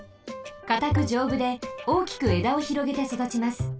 かたくじょうぶで大きくえだをひろげてそだちます。